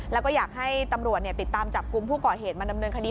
แล้วก็อยากให้ตำรวจติดตามจับกลุ่มผู้ก่อเหตุมาดำเนินคดี